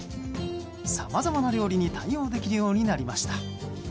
さまざまな料理に対応できるようになりました。